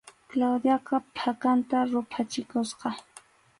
Claudiaqa phakanta ruphachikusqa.